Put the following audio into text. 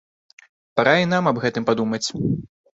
Пара і нам аб гэтым падумаць!